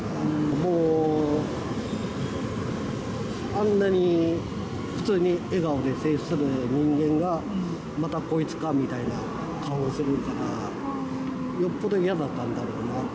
もう、あんなに普通に笑顔で接する人間が、またこいつかみたいな顔をするから、よっぽど嫌だったんだろうなと。